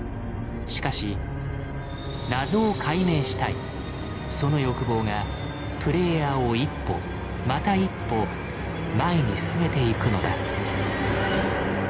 しかしその欲望がプレイヤーを一歩また一歩前に進めていくのだ。